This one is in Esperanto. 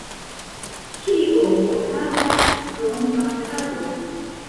Kio okazas krom bakado?